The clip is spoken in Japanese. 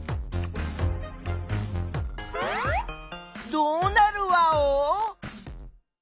どうなるワオ？